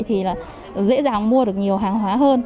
thì là dễ dàng mua được nhiều hàng hóa hơn